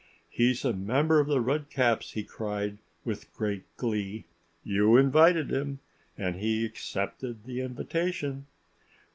"He's a member of The Redcaps!" he cried with great glee. "You invited him. And he accepted the invitation."